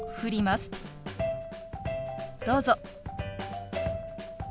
どうぞ。